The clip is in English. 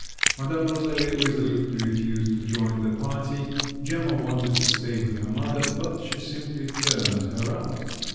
Madame Roselli resolutely refused to join the party; Gemma wanted to stay with her mother; but she simply turned her out.